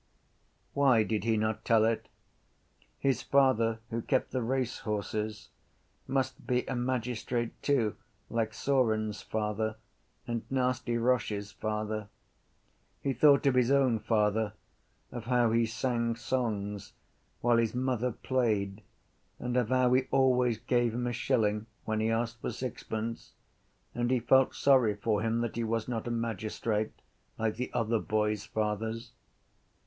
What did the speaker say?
Why did he not tell it? His father, who kept the racehorses, must be a magistrate too like Saurin’s father and Nasty Roche’s father. He thought of his own father, of how he sang songs while his mother played and of how he always gave him a shilling when he asked for sixpence and he felt sorry for him that he was not a magistrate like the other boys’ fathers.